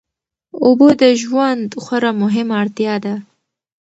اوبه د ژوند خورا مهمه اړتیا ده.